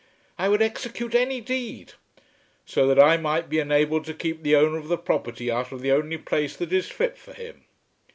"I would execute any deed." "So that I might be enabled to keep the owner of the property out of the only place that is fit for him!